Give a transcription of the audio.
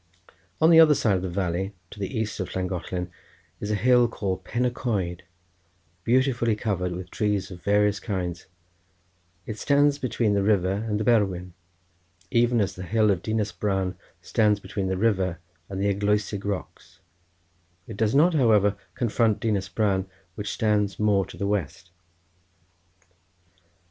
On the other side of the valley, to the east of Llangollen, is a hill called Pen y Coed, beautifully covered with trees of various kinds; it stands between the river and the Berwyn, even as the hill of Dinas Bran stands between the river and the Eglwysig rocks—it does not, however, confront Dinas Bran, which stands more to the west.